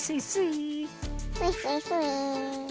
スイスイスイー。